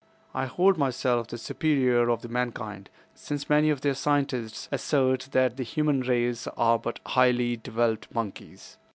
"I hold myself the superior of mankind since many of their scientists assert that the human race are but highly developed monkeys.